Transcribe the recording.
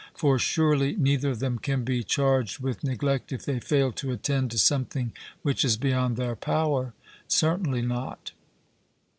For surely neither of them can be charged with neglect if they fail to attend to something which is beyond their power? 'Certainly not.'